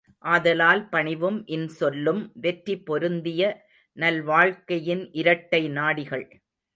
ஆதலால் பணிவும் இன் சொல்லும் வெற்றி பொருந்திய நல்வாழ்க்கையின் இரட்டை நாடிகள்.